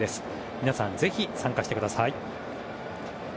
皆さん、ぜひ参加してください。